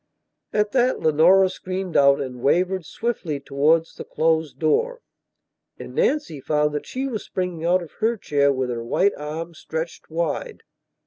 At that Leonora screamed out and wavered swiftly towards the closed door. And Nancy found that she was springing out of her chair with her white arms stretched wide.